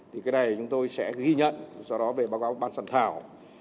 thì cái này chúng tôi sẽ ghi nhận sau đó về báo cáo bàn sản thảo